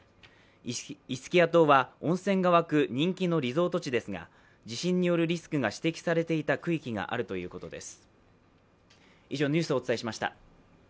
イスキア島は温泉が湧く人気のリゾート地ですが、地震によるリスクが指摘されていた区域があるということです。